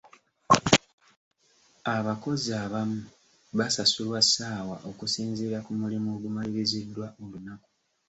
Abakozi abamu basasulwa ssaawa okusinziira ku mulimu ogumaliriziddwa olunaku.